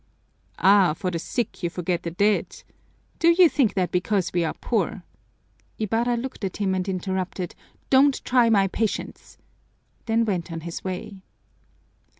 "Ah, for the sick you forget the dead? Do you think that because we are poor " Ibarra looked at him and interrupted, "Don't try my patience!" then went on his way.